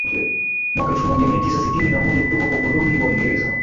mwaka elfu moja mia tisa sitini na moja kutoka kwa ukoloni wa Waingereza